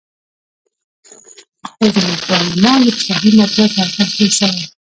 خو زموږ پارلمان د فسادي مافیا سرکس جوړ شوی.